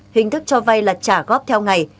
hình thức cho vai là trả góp theo ngày